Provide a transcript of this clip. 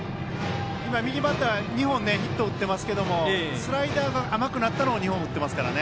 右バッター、２本ヒットを打っていますけどスライダーが甘くなったのを２本打っていますから。